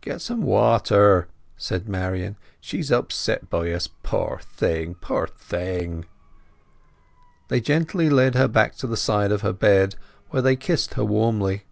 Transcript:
"Get some water," said Marian, "She's upset by us, poor thing, poor thing!" They gently led her back to the side of her bed, where they kissed her warmly.